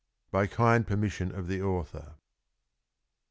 (_By kind permission of the Author.